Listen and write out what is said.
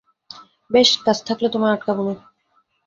বেশ, কাজ থাকলে তোমায় আটকাব না।